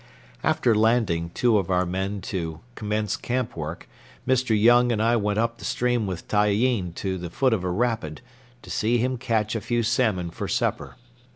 After landing two of our men to commence camp work, Mr. Young and I went up the stream with Tyeen to the foot of a rapid, to see him catch a few salmon for supper.